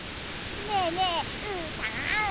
ねえねえうーたん！